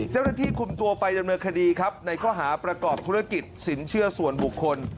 เจ้าหน้าที่คุมตัวไปดำเนินคดีครับในข้อหาประกอบธุรกิจสินเชื่อส่วนบุคคล